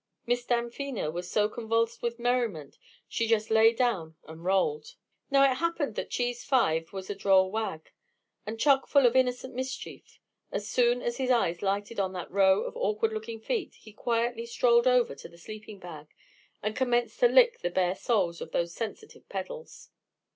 Miss Damfino was so convulsed with merriment she just lay down and rolled. Now it happened that Cheese V was a droll wag, and chock full of innocent mischief, so as soon as his eyes lighted on that row of awkward looking feet, he quietly strolled over to the sleeping bag and commenced to lick the bare soles of those sensitive pedals.